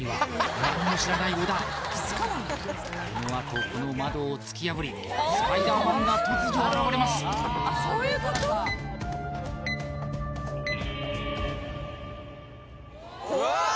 このあとこの窓を突き破りスパイダーマンが突如現れますうわーっ！